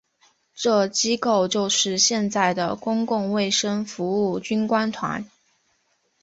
这机构就是现在的公共卫生服务军官团。